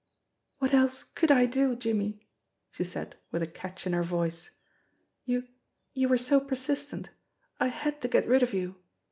"What else could I do, Jimmie?" she said with a catch in her voice. "You you were so persistent. I had to get rid of you.